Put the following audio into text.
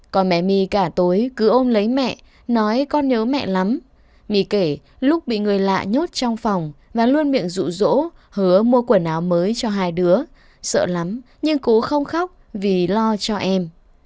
còn mẹ my cả tối cứ ôm lấy mẹ nói con nhớ mẹ lắm my kể lúc bị người lạ nhốt trong phòng và luôn miệng rụ rỗ hứa mua quần áo mới cho hai đứa sợ lắm nhưng cố không khóc vì lo cho em